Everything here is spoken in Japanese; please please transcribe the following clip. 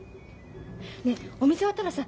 ねえお店終わったらさ